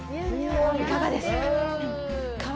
いかがですか？